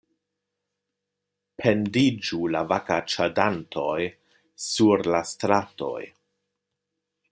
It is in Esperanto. Pendiĝu la vagaĉadantoj sur la stratoj!